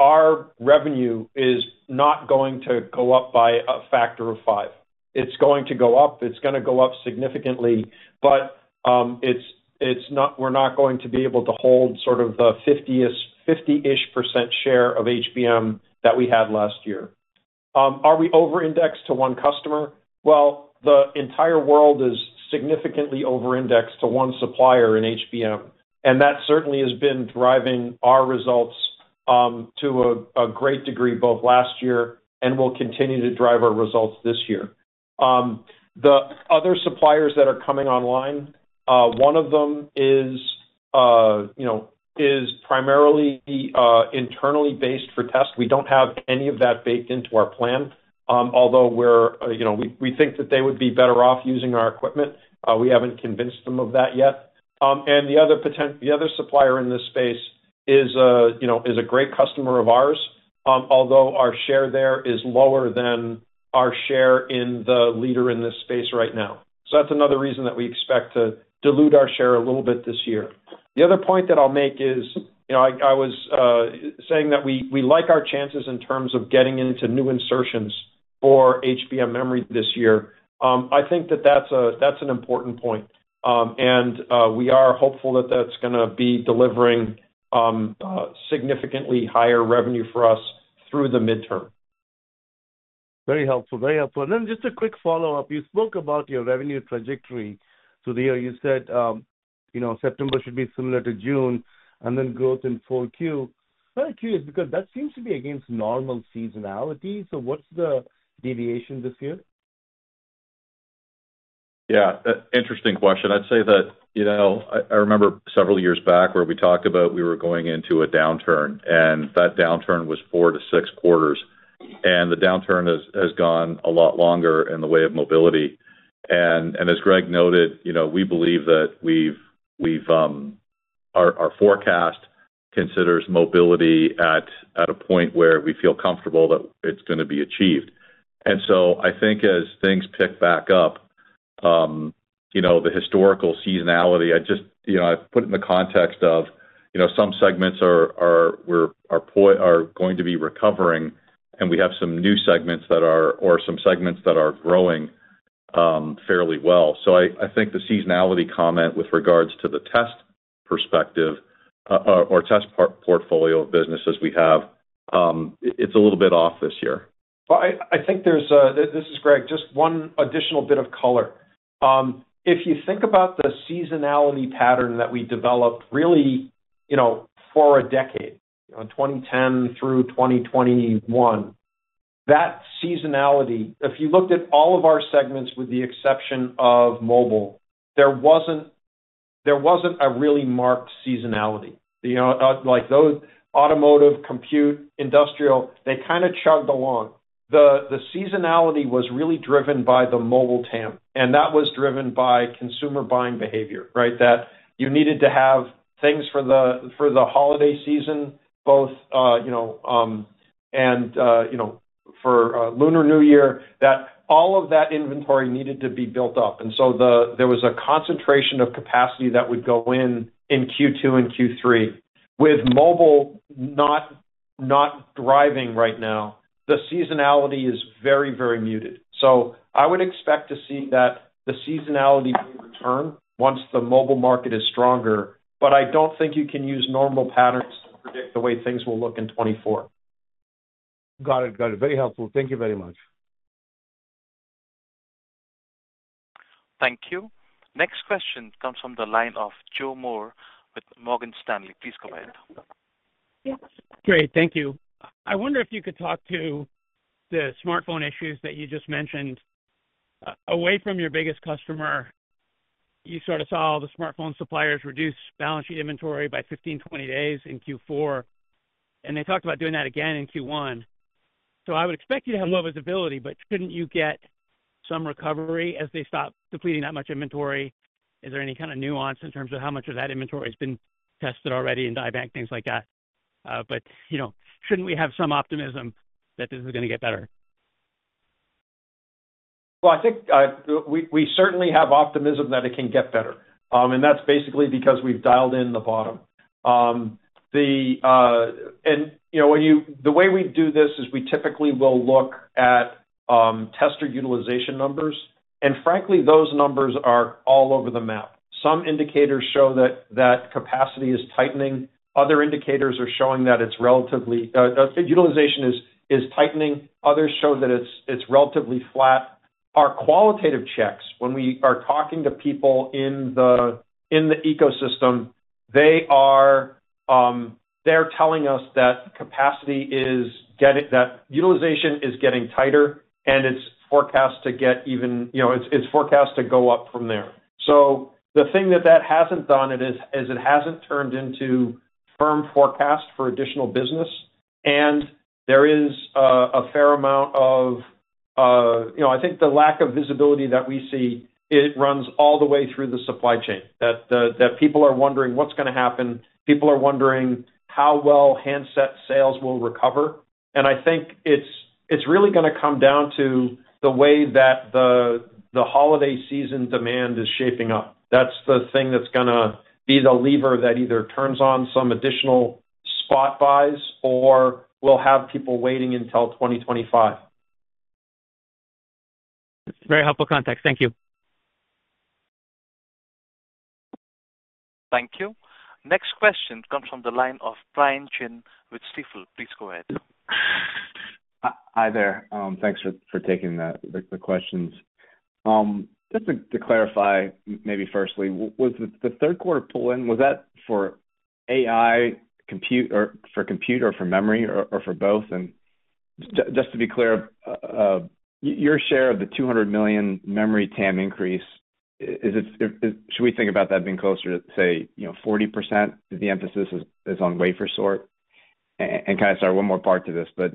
Our revenue is not going to go up by a factor of 5. It's going to go up. It's going to go up significantly. But we're not going to be able to hold sort of the 50-ish% share of HBM that we had last year. Are we over-indexed to one customer? Well, the entire world is significantly over-indexed to one supplier in HBM. And that certainly has been driving our results to a great degree both last year and will continue to drive our results this year. The other suppliers that are coming online, one of them is primarily internally based for test. We don't have any of that baked into our plan, although we think that they would be better off using our equipment. We haven't convinced them of that yet. The other supplier in this space is a great customer of ours, although our share there is lower than our share in the leader in this space right now. So that's another reason that we expect to dilute our share a little bit this year. The other point that I'll make is I was saying that we like our chances in terms of getting into new insertions for HBM memory this year. I think that that's an important point. We are hopeful that that's going to be delivering significantly higher revenue for us through the midterm. Very helpful. Very helpful. Then just a quick follow-up. You spoke about your revenue trajectory through the year. You said September should be similar to June and then growth in 4Q. Kind of curious because that seems to be against normal seasonality. What's the deviation this year? Yeah. Interesting question. I'd say that I remember several years back where we talked about we were going into a downturn. And that downturn was four to six quarters. And the downturn has gone a lot longer in the way of mobility. And as Greg noted, we believe that our forecast considers mobility at a point where we feel comfortable that it's going to be achieved. And so I think as things pick back up, the historical seasonality, I put it in the context of some segments are going to be recovering. And we have some new segments that are or some segments that are growing fairly well. So I think the seasonality comment with regards to the test perspective or test portfolio of businesses we have, it's a little bit off this year. Well, I think this is Greg, just one additional bit of color. If you think about the seasonality pattern that we developed really for a decade, 2010 through 2021, that seasonality, if you looked at all of our segments with the exception of mobile, there wasn't a really marked seasonality. Like those automotive, compute, industrial, they kind of chugged along. The seasonality was really driven by the mobile TAM. And that was driven by consumer buying behavior, right, that you needed to have things for the holiday season, both and for Lunar New Year, that all of that inventory needed to be built up. And so there was a concentration of capacity that would go in in Q2 and Q3. With mobile not driving right now, the seasonality is very, very muted. So I would expect to see that the seasonality may return once the mobile market is stronger. I don't think you can use normal patterns to predict the way things will look in 2024. Got it. Got it. Very helpful. Thank you very much. Thank you. Next question comes from the line of Joe Moore with Morgan Stanley. Please go ahead. Great. Thank you. I wonder if you could talk to the smartphone issues that you just mentioned. Away from your biggest customer, you sort of saw all the smartphone suppliers reduce balance sheet inventory by 15, 20 days in Q4. They talked about doing that again in Q1. I would expect you to have low visibility. Couldn't you get some recovery as they stop depleting that much inventory? Is there any kind of nuance in terms of how much of that inventory has been tested already in die bank, things like that? Shouldn't we have some optimism that this is going to get better? Well, I think we certainly have optimism that it can get better. And that's basically because we've dialed in the bottom. And the way we do this is we typically will look at tester utilization numbers. And frankly, those numbers are all over the map. Some indicators show that capacity is tightening. Other indicators are showing that relative utilization is tightening. Others show that it's relatively flat. Our qualitative checks, when we are talking to people in the ecosystem, they're telling us that utilization is getting tighter. And it's forecast to get even tighter from there. So the thing that hasn't done is it hasn't turned into firm forecast for additional business. There is a fair amount of, I think, the lack of visibility that we see. It runs all the way through the supply chain, that people are wondering what's going to happen. People are wondering how well handset sales will recover. I think it's really going to come down to the way that the holiday season demand is shaping up. That's the thing that's going to be the lever that either turns on some additional spot buys or will have people waiting until 2025. Very helpful context. Thank you. Thank you. Next question comes from the line of Brian Chin with Stifel. Please go ahead. Hi there. Thanks for taking the questions. Just to clarify, maybe firstly, was the Q3 pull-in, was that for AI or for compute or for memory or for both? And just to be clear, your share of the $200 million memory TAM increase, should we think about that being closer to, say, 40%, if the emphasis is on wafer sort? And kind of sorry, one more part to this. But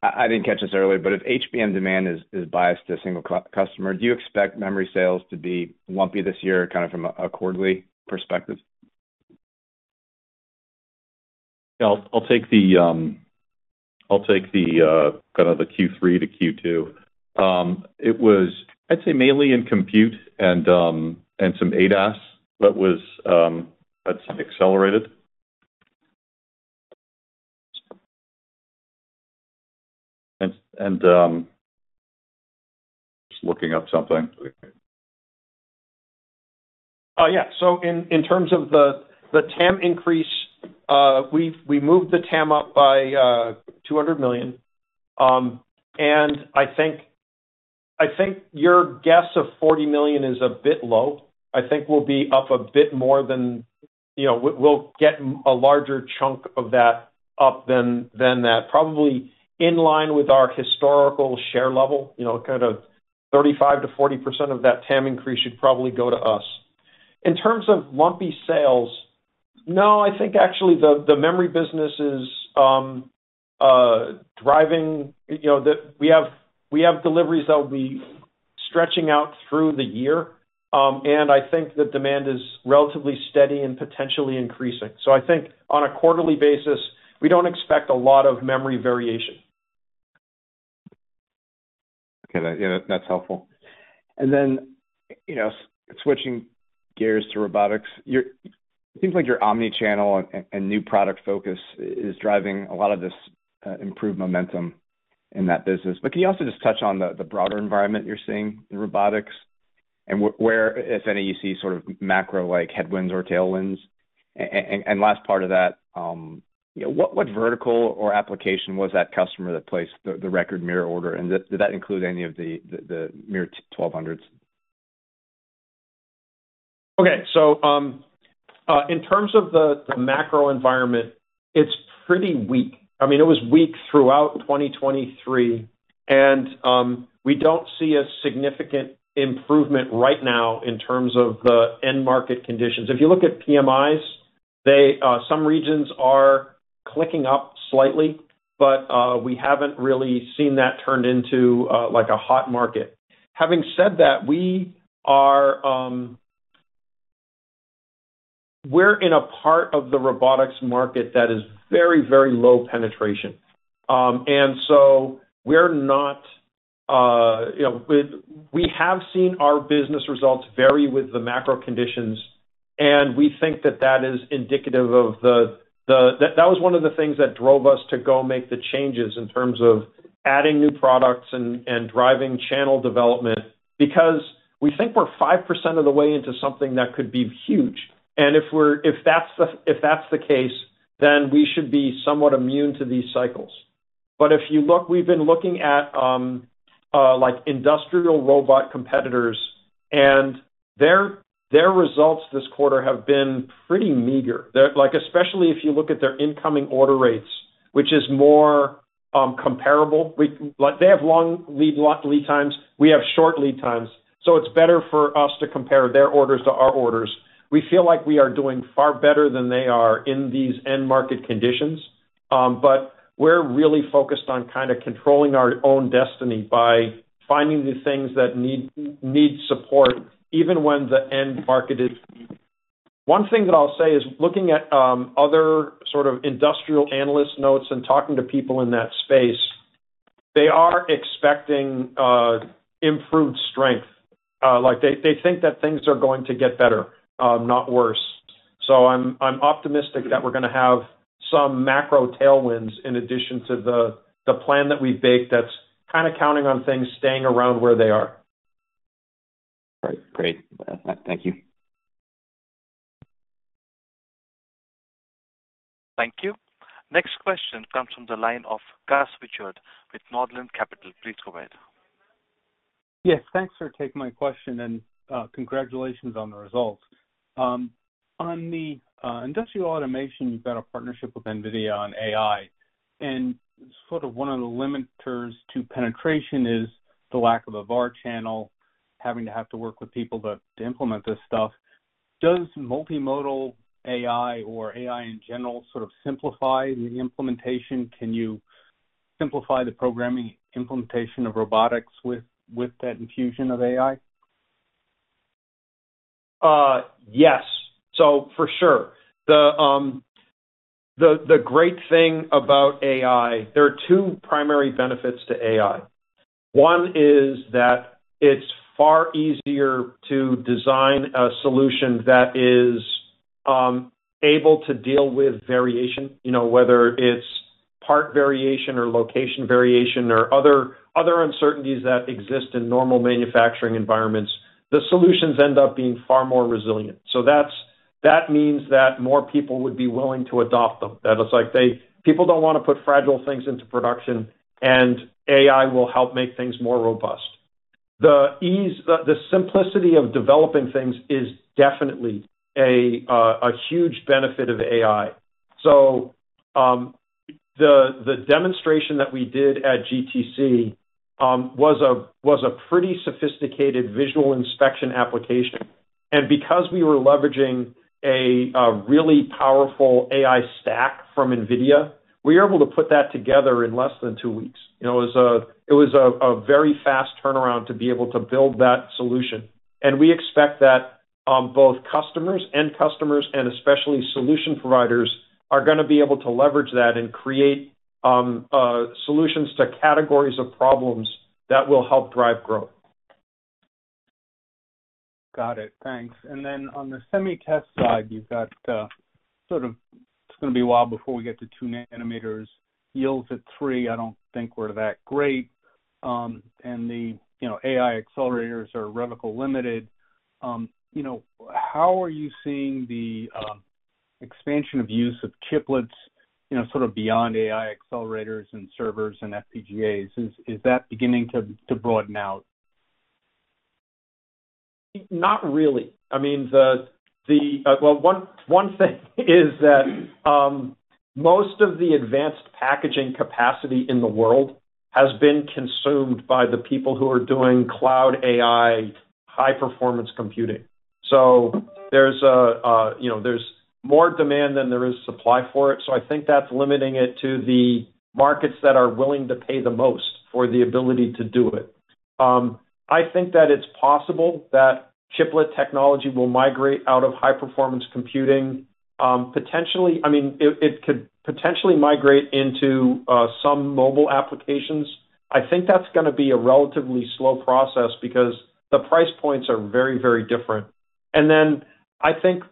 I didn't catch this earlier. But if HBM demand is biased to a single customer, do you expect memory sales to be lumpy this year kind of from a quarterly perspective? Yeah. I'll take the kind of the Q3 to Q2. It was, I'd say, mainly in compute and some ADAS that was accelerated. And just looking up something. Yeah. So in terms of the TAM increase, we moved the TAM up by $200 million. And I think your guess of $40 million is a bit low. I think we'll be up a bit more than we'll get a larger chunk of that up than that, probably in line with our historical share level. Kind of 35%-40% of that TAM increase should probably go to us. In terms of lumpy sales, no, I think actually the memory business is driving we have deliveries that will be stretching out through the year. And I think the demand is relatively steady and potentially increasing. So I think on a quarterly basis, we don't expect a lot of memory variation. Okay. Yeah. That's helpful. And then switching gears to robotics, it seems like your OEM channel and new product focus is driving a lot of this improved momentum in that business. But can you also just touch on the broader environment you're seeing in robotics and where, if any, you see sort of macro headwinds or tailwinds? And last part of that, what vertical or application was that customer that placed the record MiR order? And did that include any of the MiR1200s? Okay. So in terms of the macro environment, it's pretty weak. I mean, it was weak throughout 2023. We don't see a significant improvement right now in terms of the end market conditions. If you look at PMIs, some regions are clicking up slightly. But we haven't really seen that turned into a hot market. Having said that, we're in a part of the robotics market that is very, very low penetration. And so we're not. We have seen our business results vary with the macro conditions. And we think that is indicative that was one of the things that drove us to go make the changes in terms of adding new products and driving channel development because we think we're 5% of the way into something that could be huge. And if that's the case, then we should be somewhat immune to these cycles. If you look, we've been looking at industrial robot competitors. Their results this quarter have been pretty meager, especially if you look at their incoming order rates, which is more comparable. They have long lead times. We have short lead times. So it's better for us to compare their orders to our orders. We feel like we are doing far better than they are in these end market conditions. But we're really focused on kind of controlling our own destiny by finding the things that need support even when the end market is, one thing that I'll say is, looking at other sort of industrial analyst notes and talking to people in that space, they are expecting improved strength. They think that things are going to get better, not worse. I'm optimistic that we're going to have some macro tailwinds in addition to the plan that we've baked that's kind of counting on things staying around where they are. Great. Great. Thank you. Thank you. Next question comes from the line of Gus Richard with Northland Capital Markets. Please go ahead. Yes. Thanks for taking my question. Congratulations on the results. On the industrial automation, you've got a partnership with NVIDIA on AI. Sort of one of the limiters to penetration is the lack of a VAR channel, having to have to work with people to implement this stuff. Does multimodal AI or AI in general sort of simplify the implementation? Can you simplify the programming implementation of robotics with that infusion of AI? Yes. So for sure. The great thing about AI, there are two primary benefits to AI. One is that it's far easier to design a solution that is able to deal with variation, whether it's part variation or location variation or other uncertainties that exist in normal manufacturing environments. The solutions end up being far more resilient. So that means that more people would be willing to adopt them. That it's like people don't want to put fragile things into production. And AI will help make things more robust. The simplicity of developing things is definitely a huge benefit of AI. So the demonstration that we did at GTC was a pretty sophisticated visual inspection application. And because we were leveraging a really powerful AI stack from NVIDIA, we were able to put that together in less than two weeks. It was a very fast turnaround to be able to build that solution. We expect that both customers and customers and especially solution providers are going to be able to leverage that and create solutions to categories of problems that will help drive growth. Got it. Thanks. And then on the semi-test side, you've got sort of it's going to be a while before we get to 2 nanometers. Yields at 3, I don't think were that great. And the AI accelerators are reticle-limited. How are you seeing the expansion of use of chiplets sort of beyond AI accelerators and servers and FPGAs? Is that beginning to broaden out? Not really. I mean, well, one thing is that most of the advanced packaging capacity in the world has been consumed by the people who are doing cloud AI, high-performance computing. So there's more demand than there is supply for it. So I think that's limiting it to the markets that are willing to pay the most for the ability to do it. I think that it's possible that chiplet technology will migrate out of high-performance computing. I mean, it could potentially migrate into some mobile applications. I think that's going to be a relatively slow process because the price points are very, very different. And then I think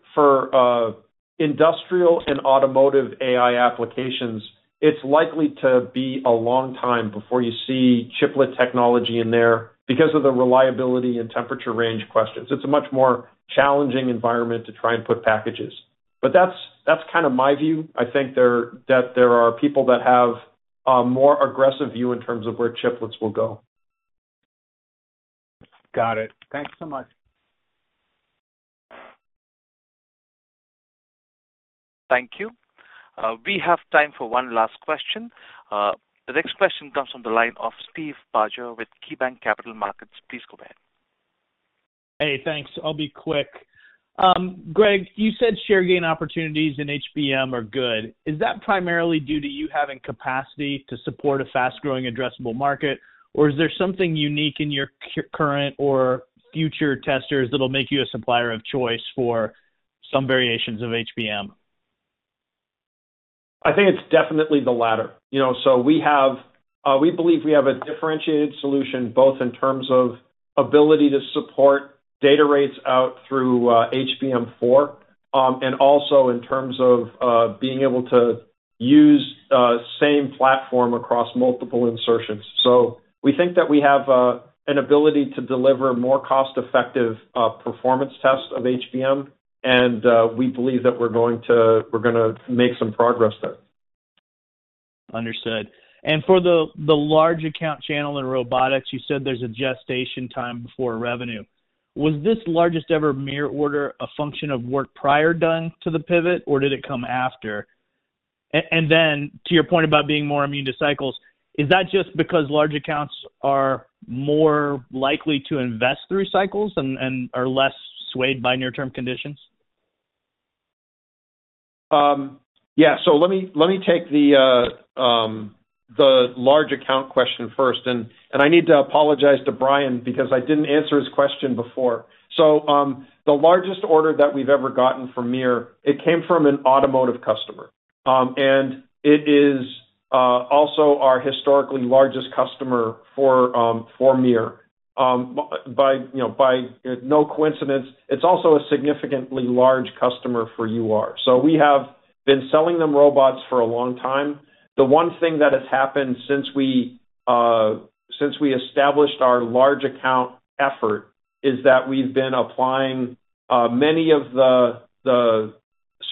for industrial and automotive AI applications, it's likely to be a long time before you see chiplet technology in there because of the reliability and temperature range questions. It's a much more challenging environment to try and put packages. But that's kind of my view. I think that there are people that have a more aggressive view in terms of where chiplets will go. Got it. Thanks so much. Thank you. We have time for one last question. The next question comes from the line of Steve Barger with KeyBanc Capital Markets. Please go ahead. Hey. Thanks. I'll be quick. Greg, you said share gain opportunities in HBM are good. Is that primarily due to you having capacity to support a fast-growing, addressable market? Or is there something unique in your current or future testers that'll make you a supplier of choice for some variations of HBM? I think it's definitely the latter. So we believe we have a differentiated solution both in terms of ability to support data rates out through HBM4 and also in terms of being able to use the same platform across multiple insertions. So we think that we have an ability to deliver more cost-effective performance tests of HBM. And we believe that we're going to make some progress there. Understood. And for the large account channel in robotics, you said there's a gestation time before revenue. Was this largest-ever MiR order a function of work prior done to the pivot? Or did it come after? And then to your point about being more immune to cycles, is that just because large accounts are more likely to invest through cycles and are less swayed by near-term conditions? Yeah. So let me take the large account question first. I need to apologize to Brian because I didn't answer his question before. So the largest order that we've ever gotten for MiR, it came from an automotive customer. And it is also our historically largest customer for MiR. By no coincidence, it's also a significantly large customer for UR. So we have been selling them robots for a long time. The one thing that has happened since we established our large account effort is that we've been applying many of the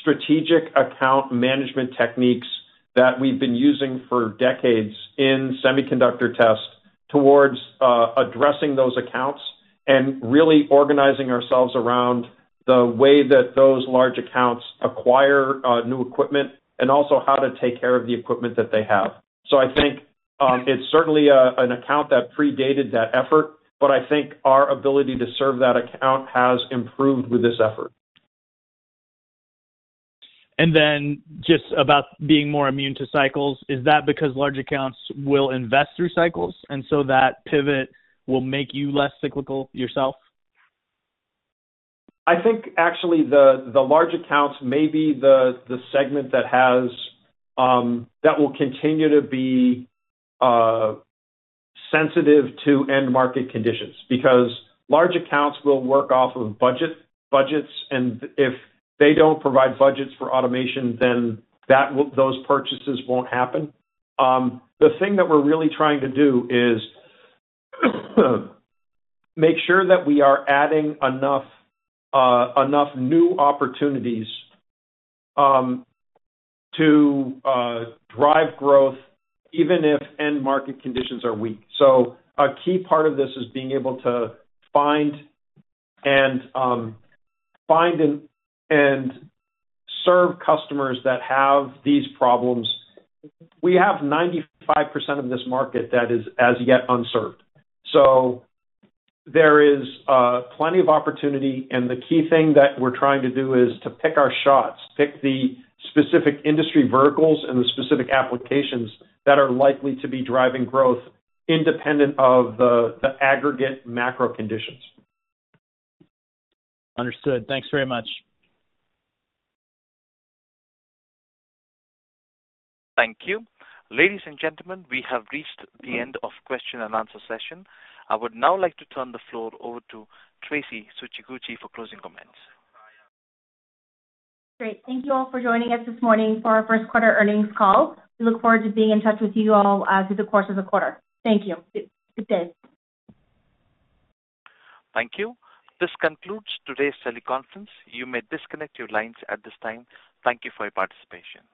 strategic account management techniques that we've been using for decades in semiconductor tests towards addressing those accounts and really organizing ourselves around the way that those large accounts acquire new equipment and also how to take care of the equipment that they have. So I think it's certainly an account that predated that effort. But I think our ability to serve that account has improved with this effort. And then just about being more immune to cycles, is that because large accounts will invest through cycles? And so that pivot will make you less cyclical yourself? I think actually the large accounts may be the segment that will continue to be sensitive to end market conditions because large accounts will work off of budgets. If they don't provide budgets for automation, then those purchases won't happen. The thing that we're really trying to do is make sure that we are adding enough new opportunities to drive growth even if end market conditions are weak. A key part of this is being able to find and serve customers that have these problems. We have 95% of this market that is as yet unserved. There is plenty of opportunity. The key thing that we're trying to do is to pick our shots, pick the specific industry verticals and the specific applications that are likely to be driving growth independent of the aggregate macro conditions. Understood. Thanks very much. Thank you. Ladies and gentlemen, we have reached the end of question and answer session. I would now like to turn the floor over to Traci Tsuchiguchi for closing comments. Great. Thank you all for joining us this morning for our Q1 earnings call. We look forward to being in touch with you all through the course of the quarter. Thank you. Good day. Thank you. This concludes today's teleconference. You may disconnect your lines at this time. Thank you for your participation.